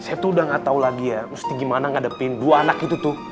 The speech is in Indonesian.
saya tuh udah gak tau lagi ya mesti gimana ngadepin dua anak gitu tuh